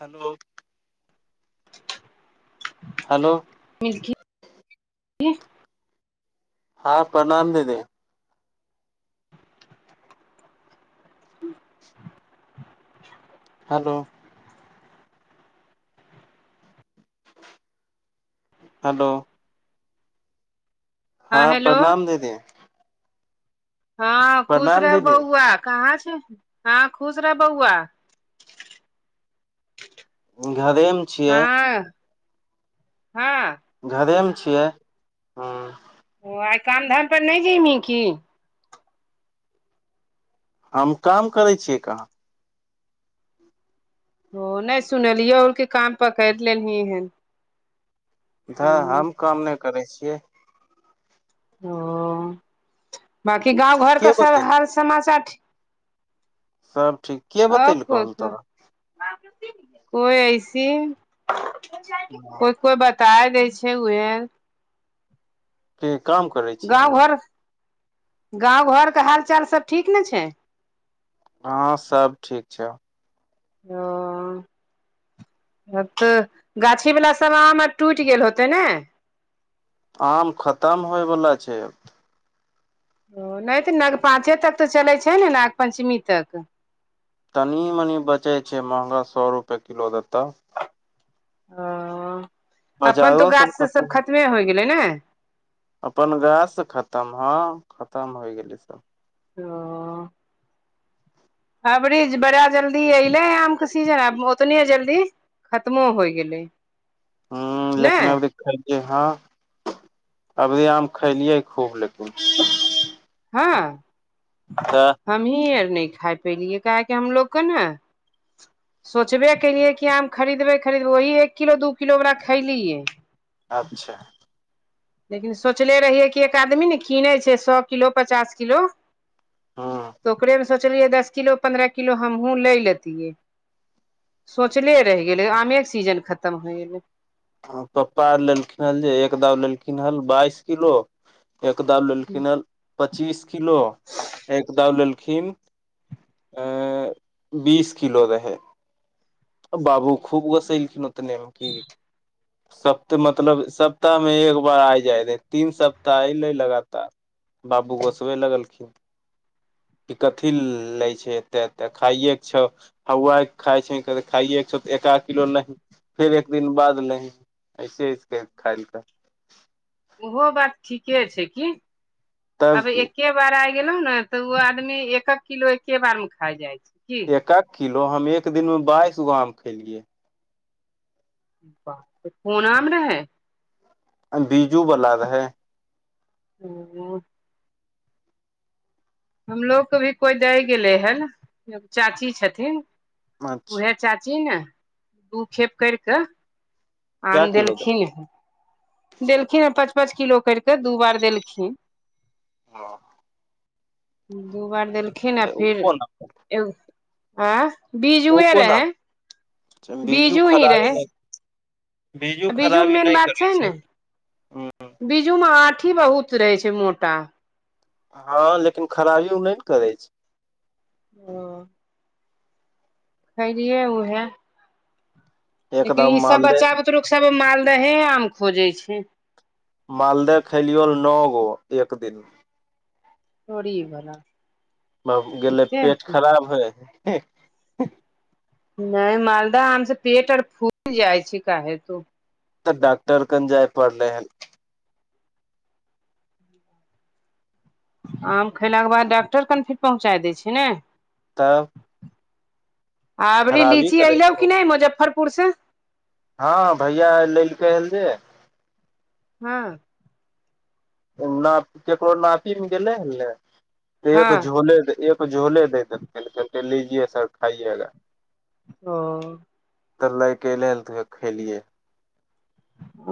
Hello [unintelligible] [unintelligible] hello मिसकि हँ प्रणाम दीदी हेलो हेलो हँ प्रणाम दीदी हँ खुश प्रणाम रह दीदी बौआ कहाँ छह हँ खुश रहऽ बौआ घरे मे छियै हँ [unintelligible] हँ [unintelligible] घरेमे छियै हँ ओ आइ काम धाम पर नहि जैबी की हम काम करै छियै कहाँ ओ नहि सुनलियौ उनके काम पकड़ लेलहीहे तऽ हम काम नहि करै छियै ओ बाकि गाँव के घरके सब बतेल हाल समाचार ठीक सब ठीक के आ कोइ बतैलखन तोरा कोइ ऐसी हँ, कोइ कोइ बात ताय दैय छै उहे ते काम [unintelligible] गाँव हमे घर गाँव घरके हाल चाल सब ठीक ने छै हँ सब ठीक छै ओ आब तऽ गाछी बला सब आम आर टुटि गेल होतै ने आम खतम होइवला छै ओ नहि तऽ नाग पाचे तक तऽ चलै छै ने नाग पञ्चमी तक तनी मनी बचै छै महँगा सौ रुपए किलो देताऽ ओ अपन तऽ बजारो गाछ से सब खतम खतमे होइ गेलै नै अपन गाछ तऽ खतम हँ खतम होइ गेलै सब त [inaudible] अबरी ज बड़ा जल्दी अयलैय आम के सीजन आब ओतने जल्दी खत्मो होइ गेलै हुॅं ने लेेकिन अभी हँ अभी आम खैलयै खूब लेकिन हँ तऽ हमही आर नै खा पलियै काहेक हमलोग के ने सोचबे केलियै कि आम खरीदबे खरीदबै वही एक किलो दू किलो हमरा खैलियै अच्छा लेकिन सोचले रहियै कि एक आदमी ने किनै छै सौ किलो पचास किलो ह तऽ ओकरेमे सोचलियै दस किलो पन्द्रह किलो हमहूँ लए लेतियै सोचले रैह गेलै आमे के सीजन खतम होइ गेलै ह पप्पा आर लेलखिन हन जे एक दाव लेलखिन हन बाइस किलो एक दौ लेलखिन ह पच्चीस किलो एक दौ लेलखिन अ बीस किलो रहै बाबू खूब गोसैलकीन ओतने म की सप्त मतलब सप्ताह मे एक बार आइ जाय रहै तीन सप्ताह अलै लगातार बाबू गोसबे लगलखिन क कथी ले छै एतेे एते खाइे के छौ हवाय खााय छै खाइके छौ त एकाध किलो नहीं फेर एक दिन बाद लही ऐसे इस खायइलकै ओहो बात ठीके छै की तब अब की एके बार आ गेलौ ने तऽ ओ आदमी एक एक किलो एके बार मे खा जाइ छै एक एक किलो हम एक दिन में बाइसगो आम खेलियै कुन आम रहै बीजू बला रहै हुॅं हमलोग के भी कोइ देय गेले हैन एगो चाची छथिन। उहे अच्छा चाची न दू खेप कैर क क्या आन किलो द देलखिन है देलखिन ह पाँच - पाँच किलो कैर के दू बार देलखिन। हाँ। दू बार देलखिन आ ओ फेर कोन एगो आ बीजुए रहै बीजु बीजू ही खराबे रहै [unintelligible] बीजु बीजू मे खराबी नै करै छै ह बिजूमे आँठी बहुत रहै छै मोटा हाँ लेकिन खराबीयों ने न करै छै। ह खैलियै उहै छै लेकिन एकदम ई सब मालदह बच्चा बुतरुक सब मालदहे आम खोजे छैय। मालदह खैलियौं नों गो एक दिन में। तोड़ी भला। बाउ गेलै पेट खराब भय नै मालदह आम से पेट और फूल जाइ छै काहे तो। तऽ डॉक्टर कन जाइ पड़लै हन। आम खयलाके बाद डॉाक्टर कन फिर पहुँचा दै छै ने। तब। आबरी खराबी लीची करै ऐलों कि न मुजफ्फरपुर से। हाँ भैया लैलके हंन जे। हाँ। नाप केकरो नातिन गेलें हन न तऽ एको हँ झोले देल एक झोले दे देलके लीजए सर खाइयेगा। ओ। तऽ लै के रात में खेलिये।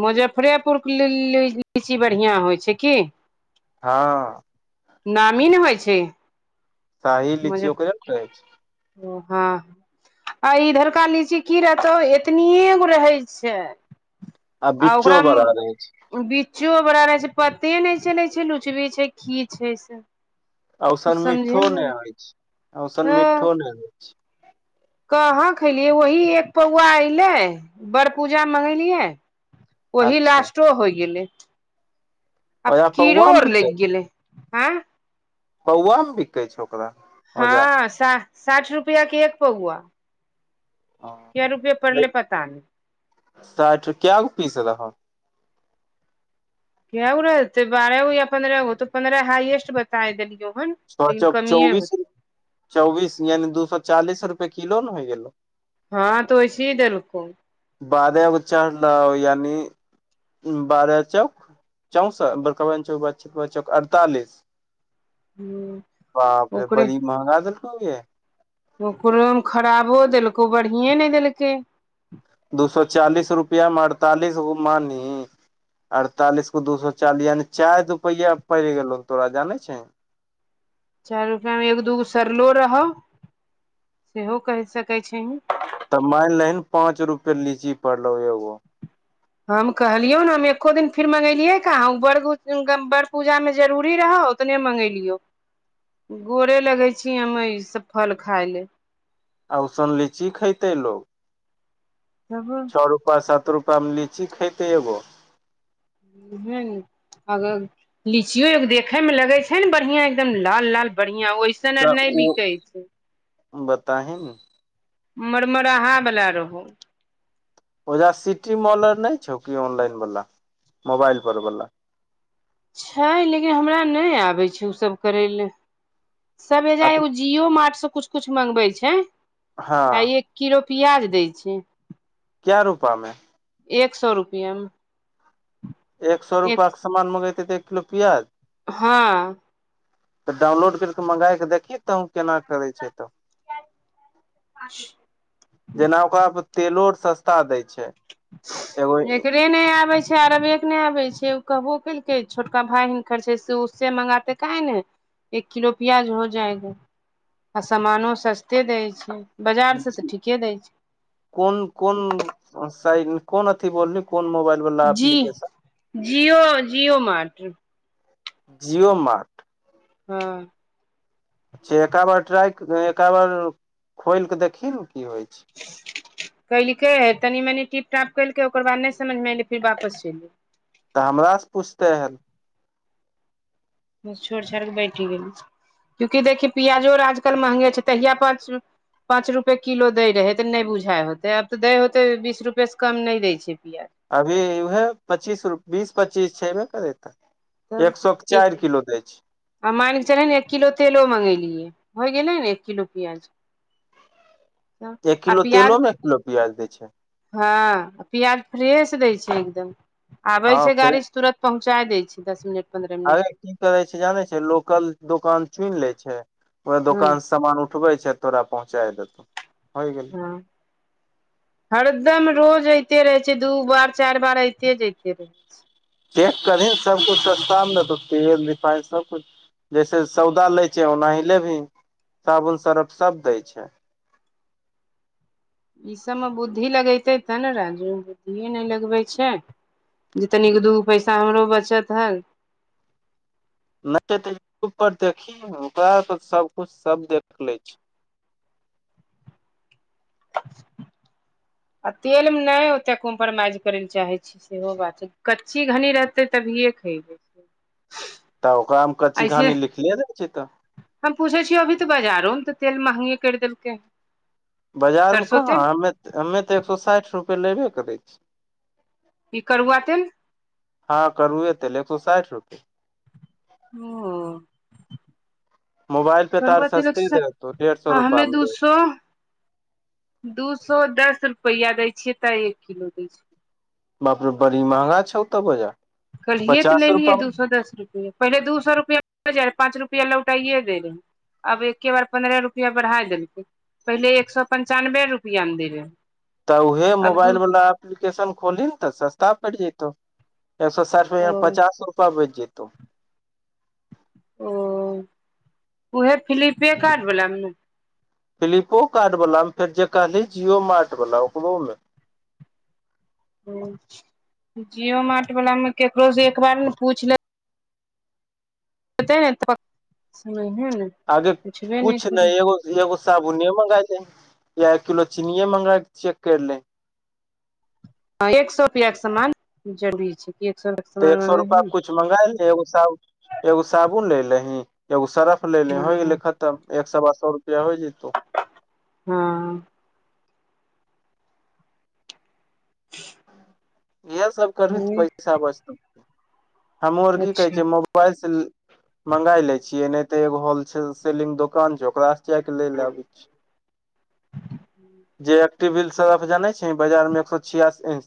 मुजफ्फरेपुरके लीं -लीं लीची बढ़ियां होइ छै की। हाँ। नामी न होइ छैय। शाही लीची ओकरे न कहै छै। ओ हाँ। आ इधड़का लीची की रहतौ एतनिए गो रहै छैय। आ बिच्चो ओकरा बड़ा रहै छै मऽ बिच्चों बड़ा रहै छै पते ने चलै छै लुचबी छै की छै से। कुछ औसन मिटठ्ठो समझेमे ने नहि होइ छै औसन हँ मिटठ्ठो ने होऽ। कहाँ खेलियै वही एक पौआ ऐले बड़ पूजा में मंगेलियए ओही अच्छा लास्टो हो गेलै अब ओजा कीड़ो पौआ मे और लग गेले। आँए। पौवा में बिकै छै ओकरा। ओजा हाँ सा साठ रुपया के एक पौवा। के रुपे पड़ले पता ने। साठ काई गो पीस रहो। काएगो रहे छै बारहगो या पन्द्रह गो तऽ पन्द्रह हाइएस्ट बताए देलियौ हन। छह लेकिन चौ के कमिये चौबीस होते - चौबीस यानि दू सौ चालीस रुपए किलो न होइ गेलौ। हाँ तऽ वैसिये देलको। बादे में चढलों यानी बारह चौक चौस बड़काबन चौक ब चौक -ब चौक अड़तालीस। ह बाप रे ओकरे बड़ी महंगा दलको गे। ओकरो में ख़राबों देलको बढ़िए ने देलकै। दू सौ चालीस रुपआ में अड़तालिस गो मानी अड़तालीस को दू सौ चालीस यानि चाएर रुपैया पड़ गेलो तोरा जानै छीं। चार रुपआ में एक दूगो सरलों रहो सेहो केह सकै छींह। तऽ मान लेहि न पाँच रुपए लीची पड़लो एगो। हम कहलियौं न हम एको दिन फिर मगेंलियैं कहाँ उऽ बड़ गुज बड़ पूजा में जरूरी रहौं। उतने मंगेललियो [inaudible] बोरे लगे छी ह ई सब फल खााय लेल आ उसन लीची खेते लोग तब [inaudible] छ रूपा सात रूपा मे लीची खेते एगो उहे ने अ लीचियो एगो देखे में लगे छै ने बढ़िया एकदम लाल लाल बढ़िया ओहि तऽ ओ बताह ने मरमरहा बला रहू ओजा सिटी मॉल आर नहि छौ की ऑनलाइन वाला मोबाइल पर वाला छै लेकिन हमरा नहि आबे छै ओ सब करै ले सब एजा जिओ मार्टसँ कुछ कुछ मगबै छै [inaudible] आ हँ एक किलो प्यज दै छै। कै रूपामे एक सौ रुपैया में एक सौ रुपक सामान मांगेताई तऽ एक किलो पिआज? हँ तऽ डाउनलोड कैर कऽ मँगाय कऽ देखियी तहूँ केना करै छै तऽ [inaudible] जेना ओकरा पर तेलो आर सस्ता दै छै। एगो [unintelligible] नै आबे छै अरबे के नै आबे छै ओ कहबो केलकै छोटका भाय हुनकर छै से उससे मंगाते [unintelligible] आ सामानो सस्ते दै छै। बाजार सँ तऽ ठीके दै छै। [inaudible] अ साइल कोन अथि बोल लीही कोन मोबाइल वाला जी एप्लीकेशन [inaudible] जिओ जिओ मार्ट। जिओ मार्ट। हँ एक बार ट्राइ एका बार खोल कऽ देखी न की होइ छै? [unintelligible] कलकै तनी मनी टिप टाप कलकै ओकर बाद नै समझमे एलै फिर वापस चैल गए तऽ हमरा से पुछतै है छोड़ि छोड़ क बैठी गेली कियुकी देखियी प्याजो आजकल महंगे छै तहिया पच पाँच रुपैए किलो दै रहै तऽ नै बुझाय होतै आब तऽ दै होतै बीस रुपए से कम नै दै छै प्याज अभी उहे पच्चीस रु बीस पच्चीस छै बै करै तऽ तब एक सौ केँ चाइर किलो दै छै। आ माइन कऽ चलही न एक किलो तेलो मंगैलियै होइ गेलै ने एक किलो प्याज। [inaudible] एक आ किलो तेलो प्याज में एक किलो प्याज दै छै हँ प्याज फ्रेश दै छै एकदम आबे हँ छै फेर गाड़ी से तुरत पहुँचा दै छै दस मिनट पन्द्रह अरे मिनटमे की करे छै जानै छै लोकल दोकान चुन ले छै ओए हँ दोकानसँ सामान उठबै छै तोरा पहुँचा देतौ होय गैलो। [inaudible] हँ हरदम रोज ऐते रहे छै दू बार चार बार ऐते जेते रहे चेक करही न सब कुछ सस्ता म तऽ तेल रिफाइन सब कुछ जैसे सौदा लै छै ओनाही लेबही साबुन सर्फ सब दै छै। ईसभमे बुद्धि लगेते तब ने राजु बुद्धिए नै लगबै छै। जे तनि दूग पैसा हमरो बचत हय नै तऽ यूट्यूब पर देखी ओकरा सबकुछ सब देख लै छै। [unintelligible] आ तेल में ओते कम्प्रोमाइज करे ले चाहे छी सेहो बात छै कच्ची घनी रहतै तभिए खयबै तऽ ओकरा मे कच्ची ऐसे घानी लिखले रहै छै। तऽ हम पूछे छियै अभी तऽ बजारो में तऽ तेल महंगे कैर देलकै है बाजार में कहाँ हमे हमे तऽ एक सौ साइठ रूपै लेबे करै छियै। [inaudible] ई करुआतेल हँ करुए तेल एक सौ साइठ रूपैय [unintelligible] मोबाइल पे तऽ आर करआ तेल सस्ते एक सौ देतो साइठ डेढ़ सए [inaudible] रुपआ हमे मे देत दूसो दू सौ दस रुपैआ दै छियै तऽ एक किलो दै छिय बाप रे बड़ी महगा छौ तऽ बजह कलिये तऽ ले लियए दू सए दस रुपए पहिले दू सए रुपैआ जा रह पाँच रुपआ लौटाइयए दे रहै आब एके बार पन्द्रह रुपआ बढ़ा देलकै पहिले एक सए पं्चानबे रुपआ मऽ दे रहे तऽ उहे मोबाइल वालला एप्लीकेशन खोलही नऽ तऽ सस्ता पड़ि जतौ एक सए साठि रुपया ओ मऽ पचास रुपआ बच जेतौ ओ ओहे फलिपे कार्ट वला मऽ नऽ फ्लिपो कार्ट वाला मे फेर जे कहले जिो मार्ट वाला ओकरो मऽ जियो मार्ट वाला मे केकरो से एक बार नऽ पूछले [unintelligible] आगे पुछबे कुछ करै नहि एगो एगो साबुने मंगा ले या एक किलो चीनिये मंगा कऽ चेक कर ले हँ एक सए रुपेयाके समान जरूरी छै एक सए तऽ एक सए रुपा कुछ मगाए लऽ एगो एगो साबुन ले लेहीं एगो सर्फ ले ले होइ गेले खतम एक सए बात सए रुपआ हो जतौ हँ [unintelligible] इएह सब करबिही तऽ हँ पैसा बचतो हमू आर की कहे अच्छा छिए मोबा मोबाइल सऽ मंगा ले छियै नहि तऽ एगो होल सेलिंग दुकान छै ओकरा [unintelligible] टीबिल सर्फ जाने छिही बाजार में एक सए छियासी इंच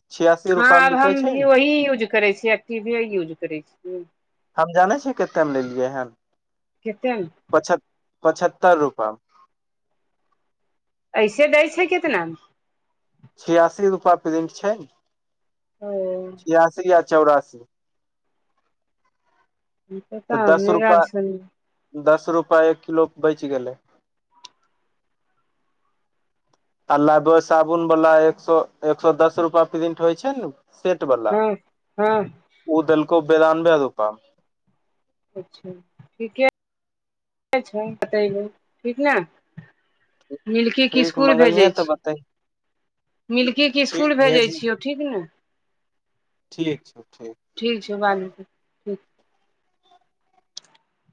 हँ आब हम भी ओही यूज करै छियै एक्टीवी यूज करै छियै हम जाने छियै कते मऽ लेलियै हन कते मऽ पचहत पचहत्तर रुपैामे ऐसे दै छै कितनामे छियासी रूपा प्रिंट छै ओ छियासी या चौरासी तऽ पता दस हमरा रूपा आर सन दस रूपा एक किलो बचि गेलै आ लाय बुआय साबुन वला एक सए एक सए दस रूपा प्रिंट होइ छैय नू सेट वला हँ हँ ओ दलको बेरानबे रूपामे अच्छा ठीके छै बतैलहु ठीक नऽ मिल्की के ठीक स्कुल भेजै मंगैहे तऽ छी बतही मिल्की के स्कुल ठीक भेजे भेजही छियो ठीक नऽ ठीक छो ठीक ठीक छै बादमे ठीक